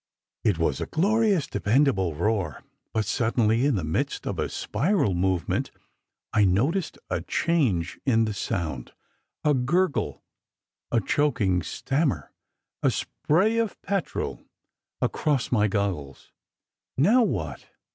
It was a glorious, dependable roar, but suddenly, in the midst of a spiral movement, I noticed a change in the 52 SECRET HISTORY sound. A gurgle a choking stammer. A spray of petrol dashed across my goggles. "Now what?"